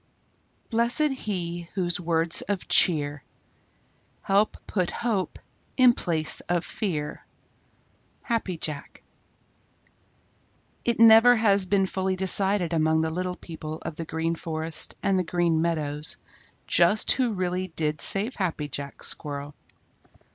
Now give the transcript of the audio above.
Blessed he whose words of cheer Help put hope in place of fear. Happy Jack. It never has been fully decided among the little people of the Green Forest and the Green Meadows just who really did save Happy Jack Squirrel.